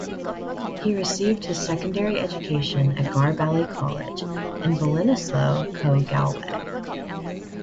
He received his secondary education at Garbally College in Ballinasloe, Co Galway.